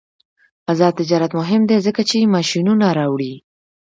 آزاد تجارت مهم دی ځکه چې ماشینونه راوړي.